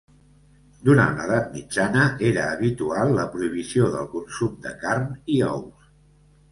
Durant l'edat mitjana era habitual la prohibició del consum de carn i ous.